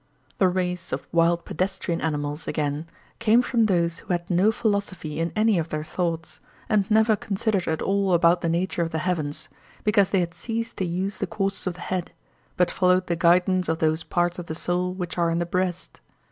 The race of wild pedestrian animals, again, came from those who had no philosophy in any of their thoughts, and never considered at all about the nature of the heavens, because they had ceased to use the courses of the head, but followed the guidance of those parts of the soul which are in the breast.